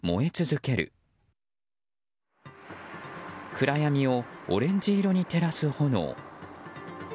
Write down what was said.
暗闇をオレンジ色に照らす炎。